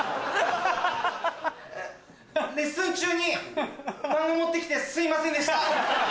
レッスン中に漫画持ってきてすいませんでした。